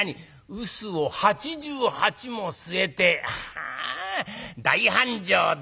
臼を八十八も据えてあ大繁盛だ。